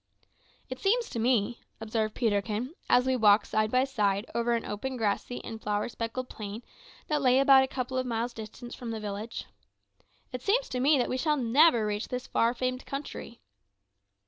"It seems to me," observed Peterkin, as we walked side by side over an open grassy and flower speckled plain that lay about a couple of miles distant from the village "it seems to me that we shall never reach this far famed country."